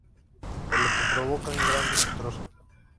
Por lo que provocaban gran destrozo.